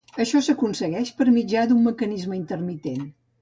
Això s'aconsegueix per mitjà d'un mecanisme intermitent.